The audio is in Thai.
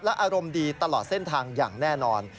อารมณ์ดีตลอดเส้นทางอย่างแน่นอน